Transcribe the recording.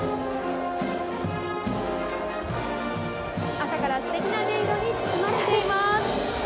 朝からすてきな音色に包まれています。